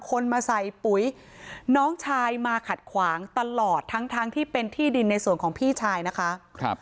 คนมาใส่ปุ๋ยน้องชายมาขัดขวางตลอดทั้งทั้งที่เป็นที่ดินในส่วนของพี่ชายนะคะ